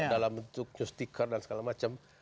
dalam bentuk news stiker dan segala macam